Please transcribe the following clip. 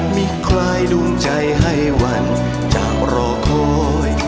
มีใครดูใจให้วันจากรอคอย